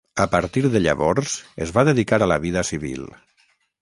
A partir de llavors es va dedicar a la vida civil.